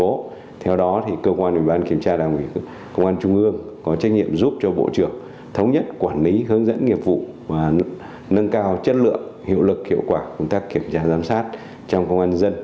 lành lực của cơ quan ủy ban kiểm tra đảng giúp vũ trường thống nhất quản lý hướng dẫn nghiệp vụ và nâng cao chất lượng hiệu lực hiệu quả cô tác kiểm tra giám sát trong công an nhân